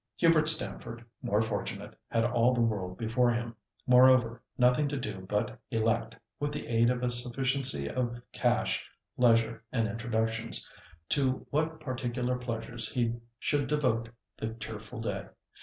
Hubert Stamford, more fortunate, had all the world before him; moreover, nothing to do but elect, with the aid of a sufficiency of cash, leisure and introductions, to what particular pleasures he should devote the cheerful day.